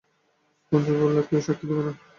পঞ্চু বললে, কেউ সাক্ষি দেবে না।